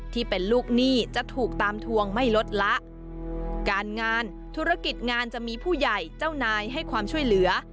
ที่เป็นลูกหนี้จะถูกตามทวงไม่ลดละการงานธุรกิจงานจะมีผู้ใหญ่เจ้านายให้ความช่วยเหลือ